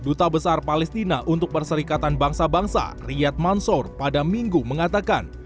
duta besar palestina untuk perserikatan bangsa bangsa riyad mansur pada minggu mengatakan